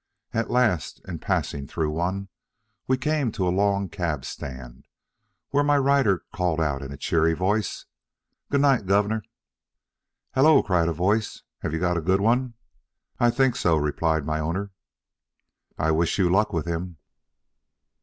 At last, in passing through one, we came to a long cab stand, when my rider called out in a cheery voice, "Good night, Governor!" "Hallo!" cried a voice. "Have you got a good one?" "I think so," replied my owner. "I wish you luck with him."